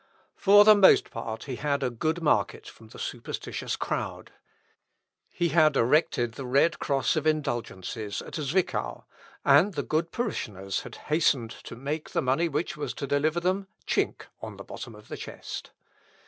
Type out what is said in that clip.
For the most part he had a good market from the superstitious crowd. He had erected the red cross of indulgences at Zwickau, and the good parishioners had hastened to make the money which was to deliver them chink on the bottom of the chest.